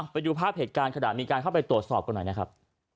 ไปดูภาพเหตุการณ์ขณะมีการเข้าไปตรวจสอบกันหน่อยนะครับ